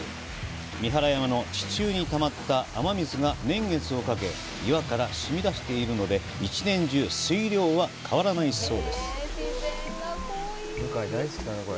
三原山の地中にたまった雨水が、年月をかけ、岩からしみ出しているので、１年中、水量は変わらないそうです。